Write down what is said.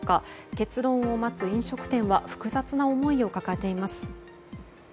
結論を待つ飲食店は複雑な思いを抱えています。